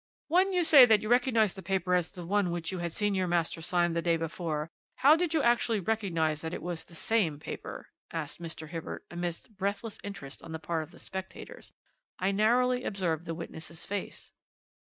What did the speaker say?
"'When you say that you recognized the paper as the one which you had seen your master sign the day before, how did you actually recognize that it was the same paper?' asked Mr. Hibbert amidst breathless interest on the part of the spectators. I narrowly observed the witness's face.